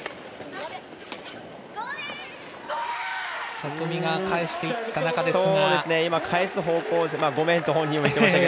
里見が返していった中ですが。